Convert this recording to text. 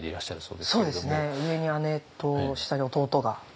そうですね上に姉と下に弟が。